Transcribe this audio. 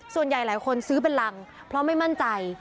ส่วนใหญ่หลายคนซื้อเป็นรังเพราะไม่มั่นใจ